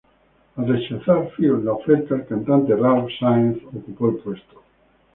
Al rechazar Phil la oferta, el cantante Ralph Saenz ocupó el puesto.